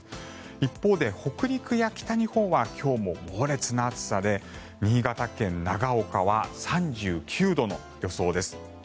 一方で北陸や北日本は今日も猛烈な暑さで新潟県長岡は３９度の予想です。